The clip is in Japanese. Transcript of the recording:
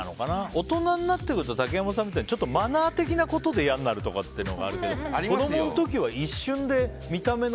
大人になってくると竹山さんみたいにマナー的なことで嫌になるっていうのがあるけど子供の時は一瞬で見た目の